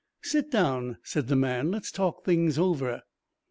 "Sit down," said the man. "Let's talk things over."